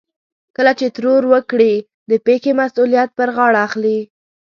کله چې ترور وکړي د پېښې مسؤليت پر غاړه اخلي.